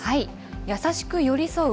優しく寄り添う